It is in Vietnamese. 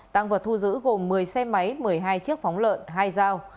tăng vật thu giữ gồm một mươi xe máy một mươi hai chiếc phóng lợn hai dao